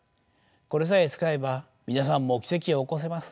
これさえ使えば皆さんも奇跡は起こせます。